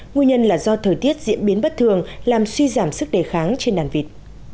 nguyên nhân là do thời tiết diễn biến bất thường làm suy giảm sức đề kháng trên đàn vịt